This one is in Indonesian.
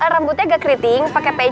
rambutnya agak keriting pake peci